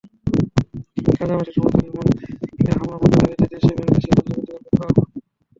গাজাবাসীর সমর্থনে এবং ইসরায়েলি হামলা বন্ধের দাবিতে দেশে দেশে চলছে প্রতিবাদ-বিক্ষোভ।